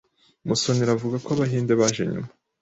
Musonera avuga ko Abahinde baje nyuma